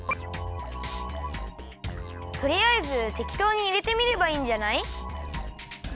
とりあえずてきとうにいれてみればいいんじゃない？